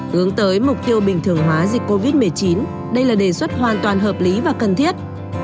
hướng tới mục tiêu bình thường hóa dịch covid một mươi chín đây là đề xuất hoàn toàn hợp lý và cần thiết